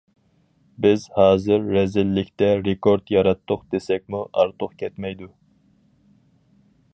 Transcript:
بىز ھازىر رەزىللىكتە رېكورت ياراتتۇق دېسەكمۇ ئارتۇق كەتمەيدۇ.